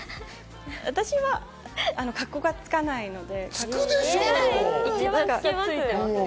私はカッコがつかないので。